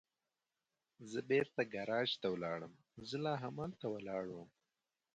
زه بېرته ګاراج ته ولاړم، زه لا همالته ولاړ ووم.